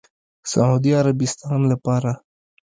سعودي عربستان لپاره